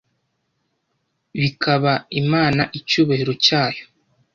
bikiba Imana icyubahiro cyayo